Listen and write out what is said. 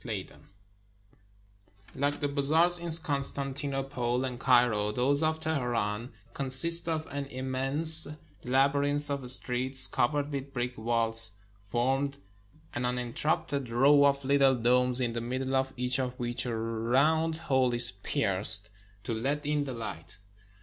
\DEN Like the bazaars in Constantinople and Cairo, those of Teheran consist of an immense labyrinth of streets cov ered with brick vaults, forming an uninterrupted row of little domes, in the middle of each of which a round hole is pierced to let in the light.